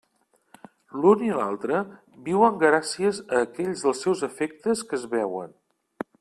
L'un i l'altre viuen gràcies a aquells dels seus efectes que es veuen.